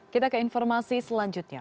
kita ke informasi selanjutnya